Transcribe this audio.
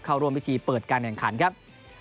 เข้าร่วมพิธีเปิดการแข่งขันครับ